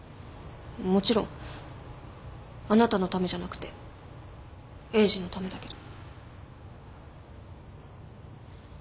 もちろんあなたのためじゃなくてエイジのためだけど。